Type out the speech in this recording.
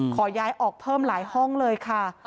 ขอย้ายออกเพิ่มหลายห้องเลยค่ะ